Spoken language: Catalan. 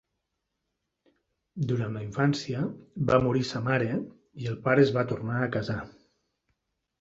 Durant la infància va morir sa mare i el pare es va tornar a casar.